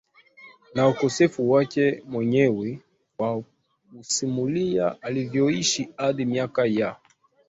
na ukosefu wake mwenyewe kwa kusimulia alivyoishi hadi miaka ya